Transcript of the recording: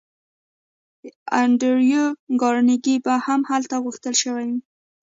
انډریو کارنګي به هم هلته غوښتل شوی وي